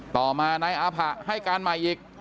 ต่อมานายอาผะให้การใหม่อีก